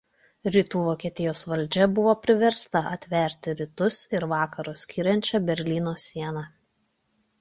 Rytų Vokietijos valdžia buvo priversta atverti Rytus ir Vakarus skiriančią Berlyno sieną.